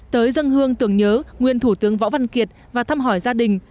tới dân hương tưởng nhớ nguyên thủ tướng võ văn kiệt và thăm hỏi gia đình